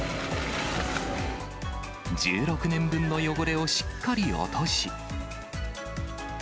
１６年分の汚れをしっかり落とし。